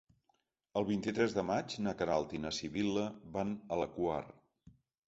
El vint-i-tres de maig na Queralt i na Sibil·la van a la Quar.